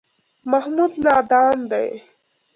محمود نادان دی.